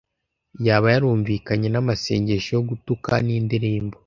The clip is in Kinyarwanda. Yaba yarumvikanye n'amasengesho yo gutuka n'indirimbo: